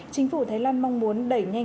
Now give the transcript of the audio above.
chính phủ thái lan mong muốn đẩy nhanh